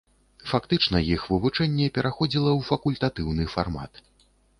Фактычна іх вывучэнне пераходзіла ў факультатыўны фармат.